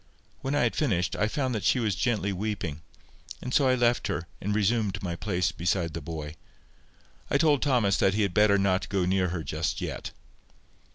When I had finished, I found that she was gently weeping, and so I left her, and resumed my place beside the boy. I told Thomas that he had better not go near her just yet.